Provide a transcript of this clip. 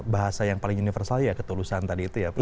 bahasa yang paling universal ya ketulusan tadi itu ya